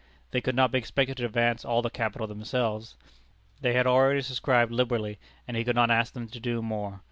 They could not be expected to advance all the capital themselves. They had already subscribed liberally, and he could not ask them to do more.